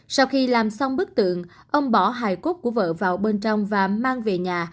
sau khi làm xong bức tượng ông bỏ hài cốt của vợ vào bên trong và mang về nhà